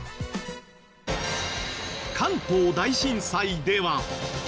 関東大震災では。